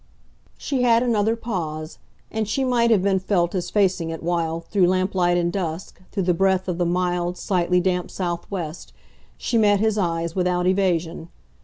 She had another pause, and she might have been felt as facing it while, through lamplight and dusk, through the breath of the mild, slightly damp southwest, she met his eyes without evasion.